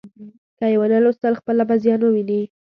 که یې ونه ولوستل، خپله به زیان وویني.